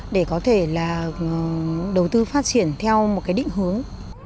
để có thể là đầu tư phát triển theo một cái định hướng